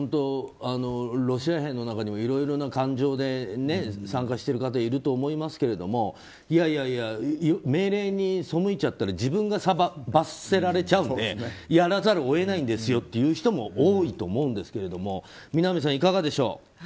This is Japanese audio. ロシア兵の中にもいろいろな感情で参加してる方いると思いますけどいやいや命令にそむいちゃったら自分が罰せられちゃうのでやらざるを得ないんですよっていう人も多いと思うんですけど南さん、いかがでしょう？